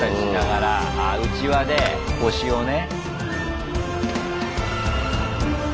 うちわで推しをね。